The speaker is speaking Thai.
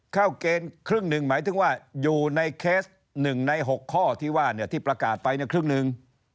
เข้าเกณฑ์ครึ่งหนึ่งหมายถึงว่าอยู่ในเคส๑ใน๖ข้อที่ว่าที่ประกาศไปครึ่งหนึ่ง